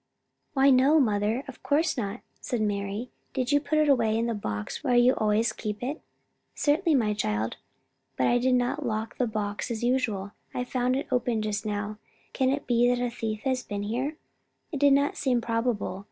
"Why, no, mother, of course not," said Mari. "Didn't you put it away in the box where you always keep it?" "Certainly, my child, but I did not lock the box as usual. I found it open just now. Can it be possible that a thief has been here? It does not seem probable.